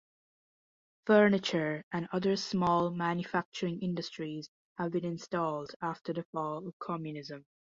Furniture and other small manufacturing industries have been installed after the fall of Communism.